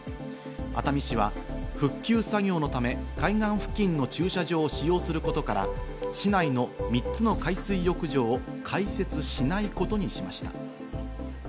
熱海市は復旧作業のため海岸付近の駐車場を使用することから、市内の３つの海水浴場を開設しないことにしました。